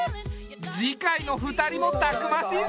次回の２人もたくましいぞ！